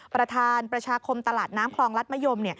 ประธานประชาคมตลาดน้ำคลองรัฐมะยม